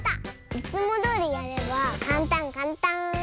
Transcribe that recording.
いつもどおりやればかんたんかんたん。